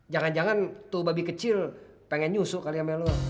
jangan jangan tuh babi kecil pengen nyusuk kali sama lo